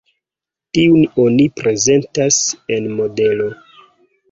Tiun oni prezentas en modelo.